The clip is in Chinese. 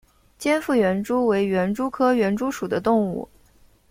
尖腹园蛛为园蛛科园蛛属的动物。